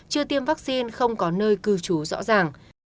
chưa tiêm vaccine không có nơi cư trú rõ ràng